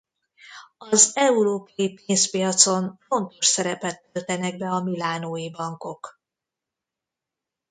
Az európai pénzpiacon fontos szerepet töltenek be a milánói bankok.